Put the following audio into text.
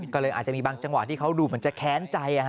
ก็เลยอาจจะมีบางจังหวะที่เขาดูเหมือนจะแค้นใจ